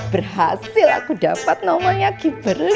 berhasil aku dapat nomernya kimberly